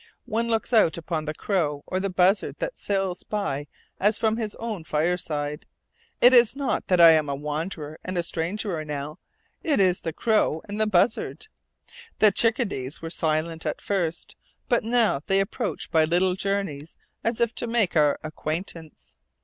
One looks out upon the crow or the buzzard that sails by as from his own fireside. It is not I that am a wanderer and a stranger now; it is the crow and the buzzard. The chickadees were silent at first, but now they approach by little journeys, as if to make our acquaintance.